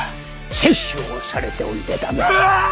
殺生をされておいでだな。